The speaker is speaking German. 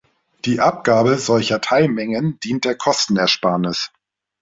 Die Abgabe solcher Teilmengen dient der Kostenersparnis.